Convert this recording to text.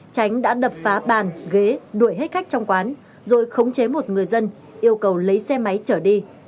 tránh đã đập phá bàn ghế đuổi hết khách trong quán rồi khống chế một người dân yêu cầu lấy xe máy trở đi